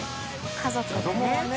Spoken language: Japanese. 家族でね。